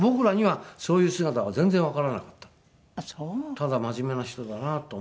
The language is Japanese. ただ真面目な人だなと思って。